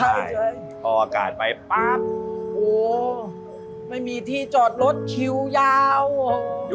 ถ่ายใช่ใช่อ๋ออากาศไปปั๊บโอ้ไม่มีที่จอดรถคิวยาวอยู่